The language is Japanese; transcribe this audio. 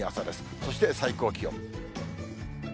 そして最高気温。